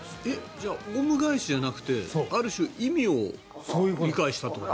じゃあおうむ返しじゃなくてある種、意味を理解してということ？